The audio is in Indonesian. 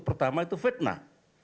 pertama itu fitnah